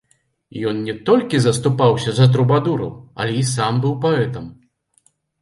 Ён не толькі заступаўся за трубадураў, але і сам быў паэтам.